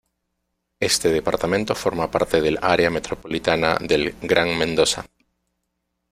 Este departamento forma parte del Área Metropolitana del Gran Mendoza.